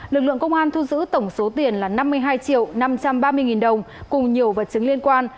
lực lượng công an thu giữ tổng số tiền là năm mươi hai triệu năm trăm ba mươi nghìn đồng cùng nhiều vật chứng liên quan